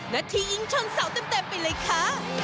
นาทียิงชนเสาเต็มไปเลยค่ะ